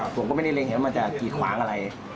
ผมก็ไม่ได้เล็งไงว่ามันจะกีดขวางอะไร